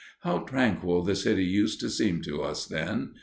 How tranquil the city used to seem to us then!